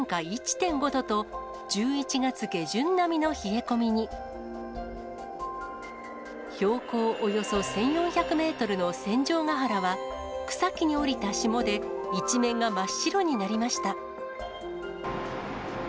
日光では、標高およそ１４００メートルの戦場ヶ原は、草木に降りた霜で一面が真っ白になりました。